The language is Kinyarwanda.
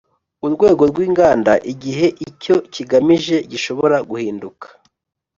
Urwego rw inganda igihe icyo kigamije gishobora guhinduka